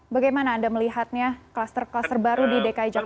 bagaimana anda melihatnya klaster klaster baru di dki jakarta